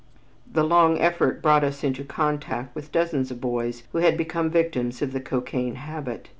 The long effort brought us into contact with dozens of boys who had become victims of the cocaine habit.